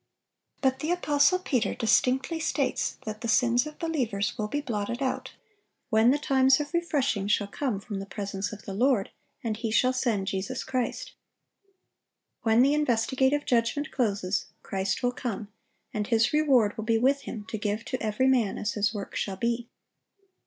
But the apostle Peter distinctly states that the sins of believers will be blotted out "when the times of refreshing shall come from the presence of the Lord; and He shall send Jesus Christ."(866) When the investigative judgment closes, Christ will come, and His reward will be with Him to give to every man as his work shall be.